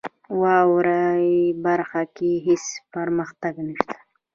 واورئ برخه کې هیڅ پرمختګ نشته .